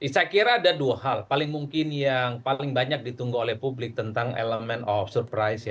saya kira ada dua hal paling mungkin yang paling banyak ditunggu oleh publik tentang elemen of surprise